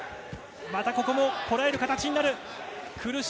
またここもこらえる形になる。